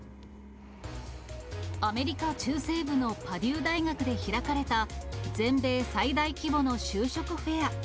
アメリカ中西部のパデュー大学で開かれた、全米最大規模の就職フェア。